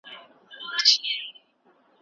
کړکۍ وتړئ چي ډېر ږدن او پاڼي رانه سي.